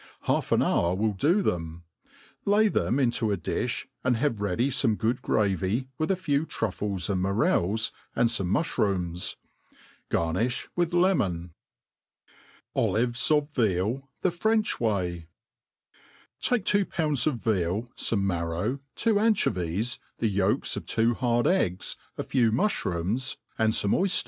Half an hour will do them. Lay them into a diih, and have ready fome good gravy, with a few trufles and morels, and fome mulbrooms. Ga^ nifli with le mon. Olives of Veal the French way* TAKE two pounds of veal, fome marrow, two anchovies^ the yolks of two hard eggs, a few mulbrooms, and fome oyf* ters^ 58 THE ART OF COOKEp.